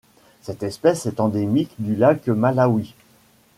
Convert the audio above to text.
Cette espèce est endémique du lac Malawi.